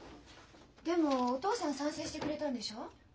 でもお父さん賛成してくれたんでしょ？